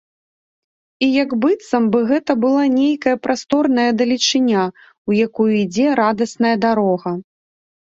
І як быццам бы гэта была нейкая прасторная далечыня, у якую ідзе радасная дарога.